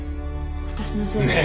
私のせいで